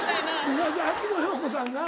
昔秋野暢子さんが。